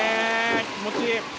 気持ちいい。